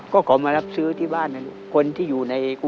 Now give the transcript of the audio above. ก็ขอมารับซื้อที่บ้านคนที่อยู่ใน